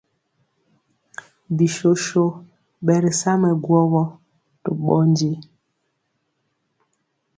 Bisoso ɓɛ ri sa mɛ gwɔwɔ to ɓɔndi.